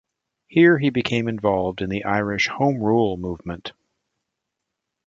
Here he became involved in the Irish Home Rule Movement.